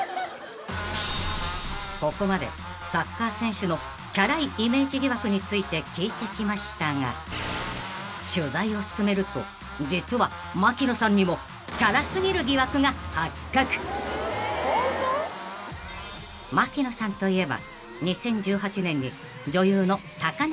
［ここまでサッカー選手のチャラいイメージ疑惑について聞いてきましたが取材を進めると実は槙野さんにも］［槙野さんといえば］